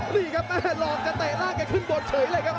นี่ครับแม่หลอกแกเตะร่างแกขึ้นบนเฉยเลยครับ